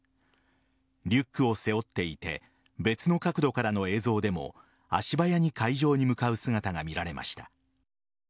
リュックを背負っていて別の角度からの映像でも足早に会場に向かう姿が見られました。